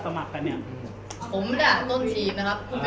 การบริเวณการตามผลหมายอย่างนะฮะ